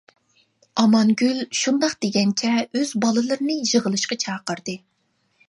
ئامانگۈل شۇنداق دېگەنچە ئۆز بالىلىرىنى يىغىلىشقا چاقىردى.